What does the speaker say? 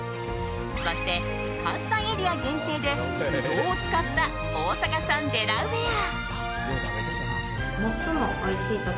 そして、関西エリア限定でブドウを使った大阪産デラウェア。